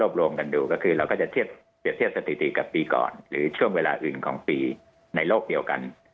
รวมกันดูก็คือเราก็จะเปรียบเทียบสถิติกับปีก่อนหรือช่วงเวลาอื่นของปีในโลกเดียวกัน